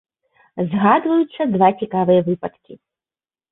Згадваюцца два цікавыя выпадкі.